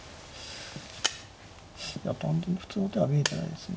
いや単純な普通の手が見えてないですね。